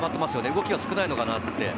動きが少ないのかなって。